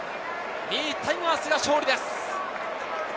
２位タイガースが勝利です。